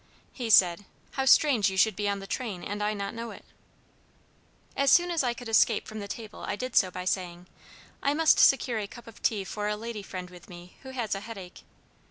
He said, 'How strange you should be on the train and I not know it!' "As soon as I could escape from the table, I did so by saying, 'I must secure a cup of tea for a lady friend with me who has a head ache.'